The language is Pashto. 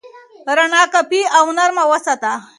رڼا کافي او نرمه وساتئ.